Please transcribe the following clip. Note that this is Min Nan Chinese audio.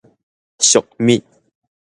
俗物